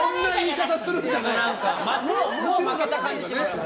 もう負けた感じがします。